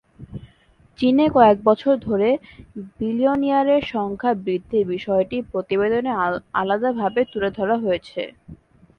চীনে কয়েক বছর ধরে বিলিয়নিয়ারের সংখ্যা বৃদ্ধির বিষয়টি প্রতিবেদনে আলাদাভাবে তুলে ধরা হয়েছে।